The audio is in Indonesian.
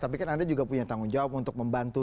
tapi kan anda juga punya tanggung jawab untuk membantu